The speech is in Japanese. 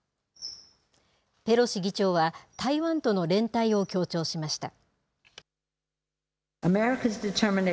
ペロシ議長は、台湾との連帯を強調しました。